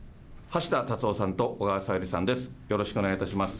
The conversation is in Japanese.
橋田達夫さんと小川さゆりさんです。